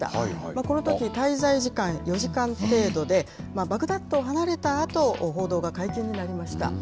このとき滞在時間４時間程度で、バグダッドを離れたあと、報道が解禁になりました。